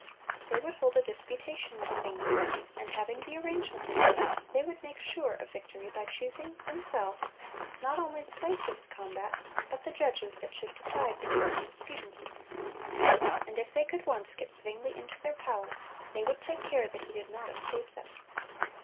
They would hold a disputation with Zwingle, and having the arrangement of matters, they would make sure of victory by choosing, themselves, not only the place of the combat, but the judges that should decide between the disputants. And if they could once get Zwingle into their power, they would take care that he did not escape them.